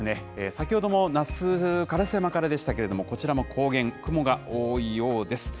先ほども那須烏山からでしたけれども、こちらも高原、雲が多いようです。